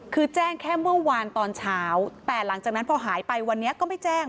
คือแจ้งแค่เมื่อวานตอนเช้าแต่หลังจากนั้นพอหายไปวันนี้ก็ไม่แจ้ง